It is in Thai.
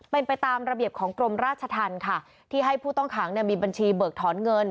เป็นไปตามระเบียบของกรมราชธรรมค่ะที่ให้ผู้ต้องขังมีบัญชีเบิกถอนเงิน